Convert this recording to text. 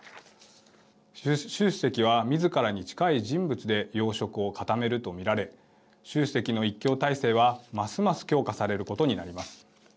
習主席は、みずからに近い人物で要職を固めると見られ習主席の一強体制はますます強化されることになります。